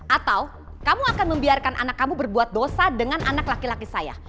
atau kamu akan membiarkan anak kamu berbuat dosa dengan anak laki laki saya